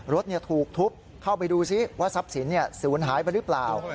รถถูกทุบเข้าไปดูซิว่าทรัพย์สินศูนย์หายไปหรือเปล่า